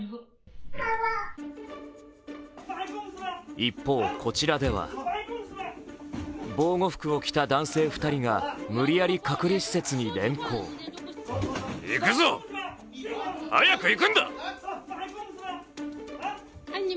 一方、こちらでは防護服を着た男性２人が無理やり隔離施設に連行。